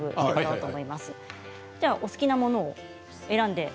お好きなものを選んで。